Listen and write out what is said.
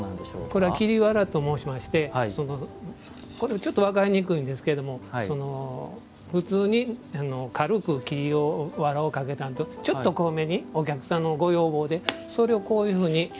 これ桐わらと申しましてちょっと分かりにくいんですけども普通に軽く桐をわらをかけたのとちょっとこう目にお客さんのご要望でそれをこういうふうに。